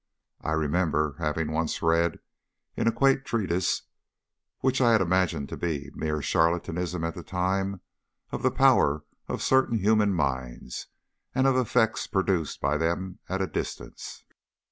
I remember having once read a quaint treatise, which I had imagined to be mere charlatanism at the time, of the power of certain human minds, and of effects produced by them at a distance.